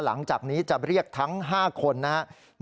หลังจากนี้จะเรียกทั้ง๕คนนะครับ